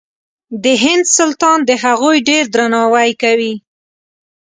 د هند سلطان د هغوی ډېر درناوی کوي.